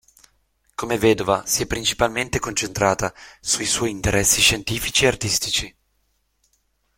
Come vedova, si è principalmente concentrata "sui suoi interessi scientifici e artistici".